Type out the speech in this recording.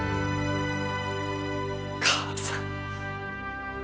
母さん。